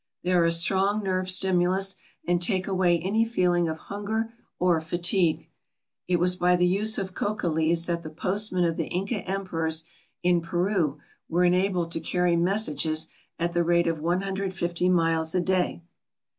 They are a strong nerve stimulus and take away any feeling of hunger or fatigue. It was by the use of coca leaves that the postmen of the Inca emperors in Peru were enabled to carry messages at the rate of 150 miles a day.